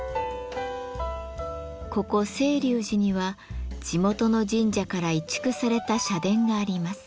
ここ青龍寺には地元の神社から移築された社殿があります。